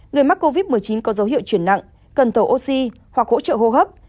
người mắc covid một mươi chín có dấu hiệu chuyển nặng cần thở oxy hoặc hỗ trợ hô hấp